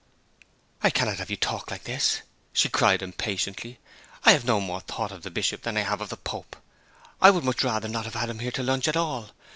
'I cannot have you talk like this,' she cried impatiently. 'I have no more thought of the Bishop than I have of the Pope. I would much rather not have had him here to lunch at all.